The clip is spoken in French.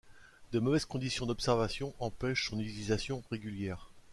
De mauvaises conditions d'observation empêchent son utilisation régulière.